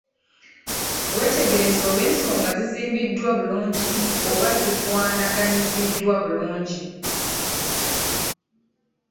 Weetegereze oba ensonga zizimbiddwa bulungi oba zikwanaganyiziddwa bulungi.